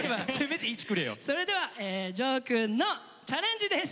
それではジョーくんのチャレンジです。